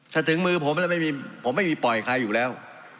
ถ้าถึงมือผมแล้วผมไม่มีปล่อยใครอยู่แล้ว